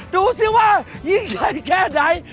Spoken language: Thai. ดูสิว่ายิ่งใหญ่แค่ไหน